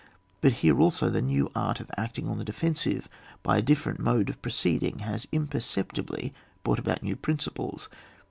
But here also, the new art of acting on the defensive by a different mode of pro ceeding has imperceptibly brought about new principles.